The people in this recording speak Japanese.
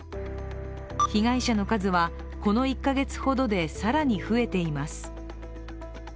被害者の数はこの１か月ほどで更に増えています。